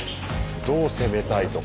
どう攻めたいとか。